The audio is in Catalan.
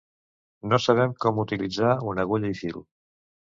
No sabem com utilitzar una agulla i fil.